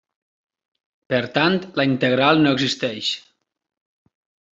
Per tant la integral no existeix.